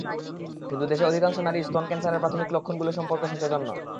কিন্তু দেশে অধিকাংশ নারীই স্তন ক্যানসারের প্রাথমিক লক্ষণগুলো সম্পর্কে সচেতন নন।